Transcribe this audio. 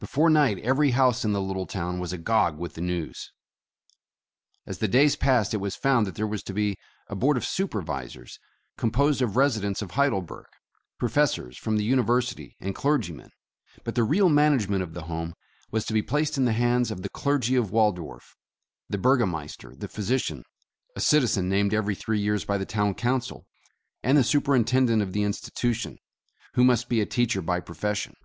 Be fore night every house in the little town was agog with the news. As the days passed, it was found that there was to be a Board of Supervisors composed of residents of Heid elberg, — professors from the University and clergy men, — but the real management of the Home was to be placed in the hands of the clergy of Waldorf, the burgomaster, the physician, a citizen named every three years by the Town Council, and the Superin tendent of the institution, who must be a teacher by profession.